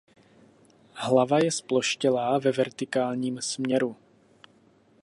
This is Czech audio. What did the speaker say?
Hlava je zploštělá ve vertikálním směru.